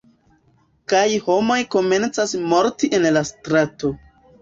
kaj homoj komencas morti en la strato.